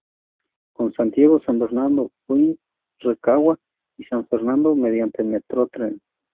Con Santiago, San Bernardo, Buin, Rancagua y San Fernando, mediante Metrotren.